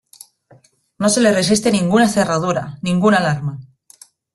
No se le resiste ninguna cerradura, ninguna alarma.